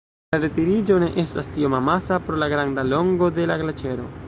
La retiriĝo ne estas tiom amasa pro la granda longo de la glaĉero.